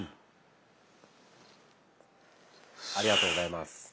ありがとうございます。